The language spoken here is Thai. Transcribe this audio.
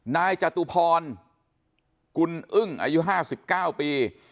นายจตุพรคุณอึ้งอายุห้าสิบเก้าปี